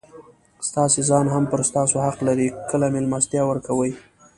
ستاسي ځان هم پر تاسو حق لري؛ کله مېلمستیا ورکوئ!